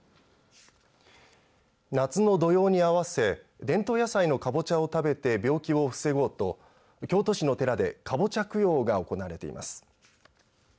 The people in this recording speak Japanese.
夏の土用に合わせ伝統野菜のカボチャを食べて病気を防ごうと京都市の寺でカボチャ供養が行われています。